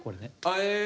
へえ。